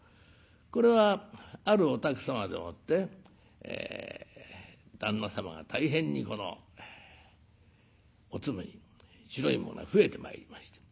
これはあるお宅様でもって旦那様が大変にこのおつむに白いものが増えてまいりました。